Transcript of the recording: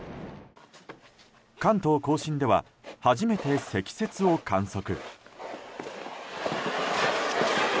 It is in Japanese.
関東・甲信では初めて積雪を観測。